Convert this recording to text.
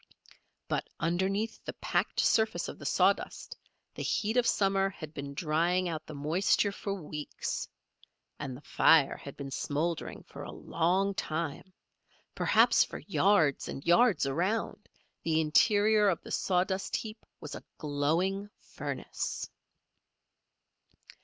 But underneath the packed surface of the sawdust, the heat of summer had been drying out the moisture for weeks. And the fire had been smouldering for a long time. Perhaps for yards and yards around, the interior of the sawdust heap was a glowing furnace.